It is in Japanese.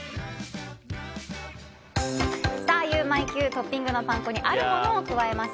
トッピングのパン粉にあるものを加えます。